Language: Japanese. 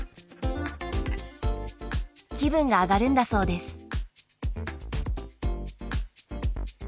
気分が上がるんだそうです。